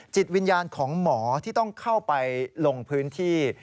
จิตวิญญาณของหมอที่ต้องเข้าไปลงพื้นที่